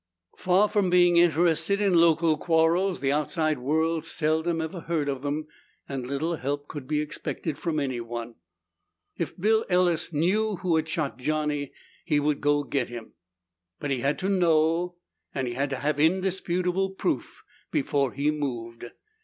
Far from being interested in local quarrels, the outside world seldom even heard of them and little help could be expected from anyone. If Bill Ellis knew who had shot Johnny, he would go get him. But he had to know and had to have indisputable proof before he moved.